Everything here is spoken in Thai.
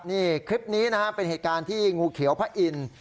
นี่คลิปนี้นะฮะเป็นเหตุการณ์ที่งูเขียวพระอินทร์